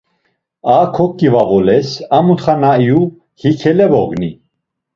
A koǩivavules, a mutxa na iyu hikele vogni.